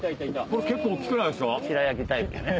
これ結構大っきくないですか？